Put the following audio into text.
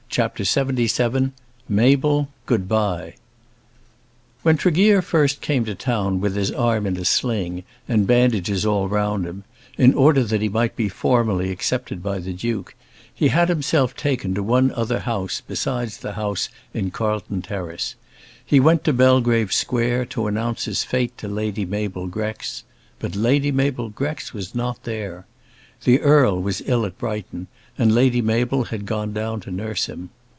CHAPTER LXXVII "Mabel, Good Bye" When Tregear first came to town with his arm in a sling, and bandages all round him, in order that he might be formally accepted by the Duke, he had himself taken to one other house besides the house in Carlton Terrace. He went to Belgrave Square, to announce his fate to Lady Mabel Grex; but Lady Mabel Grex was not there. The Earl was ill at Brighton, and Lady Mabel had gone down to nurse him.